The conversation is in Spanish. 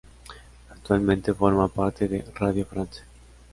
Actualmente forma parte de "Radio France".